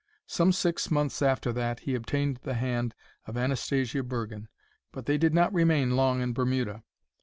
Some six months after that he obtained the hand of Anastasia Bergen, but they did not remain long in Bermuda.